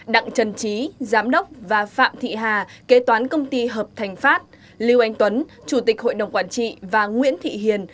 đặng trần trí giám đốc và phạm thị hà kế toán công ty hợp thành pháp lưu anh tuấn chủ tịch hội đồng quản trị và nguyễn thị hiền